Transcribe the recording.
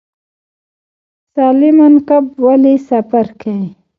سالمن کب ولې سفر کوي؟